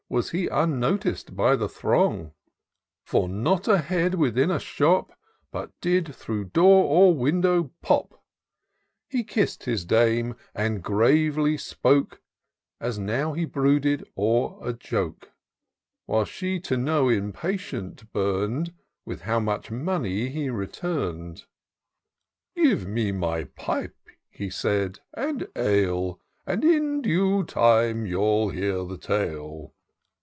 Was he unnotic'd by the throng ; For not a head within a shop But did through door or window pop. He kiss'd his dame, and gravely spoke. As now he brooded o'er a joke j IN SEARCH OP THE PICTURESQUE. 337 While she to know, impatient bum'd, With how much money he retum'd. " Give me my pipe," he said, " and ale, And in due time youTl hear the tale."